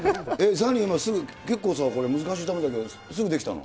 ザニー、すぐ、結構さ、これ、難しいと思うんだけど、すぐできたの？